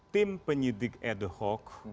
tim penyidik ad hoc